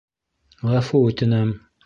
- Ғәфү үтенәм...